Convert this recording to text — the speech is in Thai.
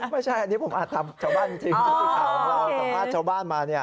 ไม่ใช่อันนี้ผมอาจทำเข้าบ้านมาอยู่เข้าบ้านมา